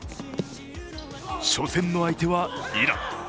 初戦の相手はイラン。